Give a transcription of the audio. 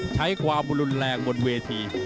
ใช้ความรุนแรงบนเวที